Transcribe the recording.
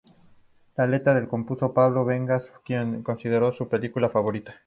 La letra la compuso Pablo Benegas, quien la considera su película favorita.